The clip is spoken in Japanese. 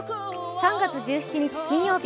３月１７日金曜日。